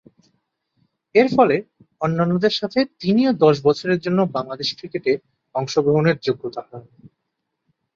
এরফলে অন্যান্যদের সাথে তিনিও দশ বছরের জন্য বাংলাদেশের ক্রিকেটে অংশগ্রহণের যোগ্যতা হারান।